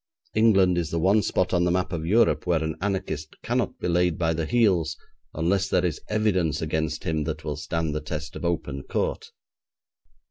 England is the one spot on the map of Europe where an anarchist cannot be laid by the heels unless there is evidence against him that will stand the test of open court.